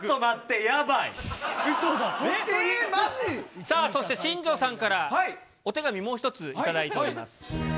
さあ、そして新庄さんからお手紙、もう一つ頂いております。